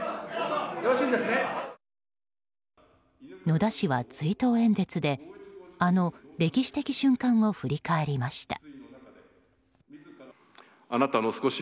野田氏は追悼演説であの歴史的瞬間を振り返りました。